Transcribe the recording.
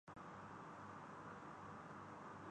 لیکن مقصود تھی۔